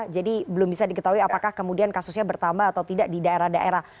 jadi belum bisa diketahui apakah kemudian kasusnya bertambah atau tidak di daerah daerah